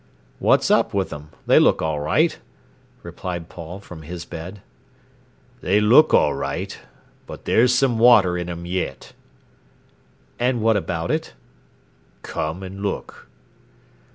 "What's up with 'em? They look all right," replied Paul, from his bed. "They look all right. But there's some water in 'em yet." "And what about it?" "Come and look."